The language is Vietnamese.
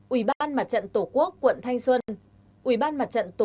ủy ban mặt trận tổ quốc việt nam tp hà nội quỹ cứu trợ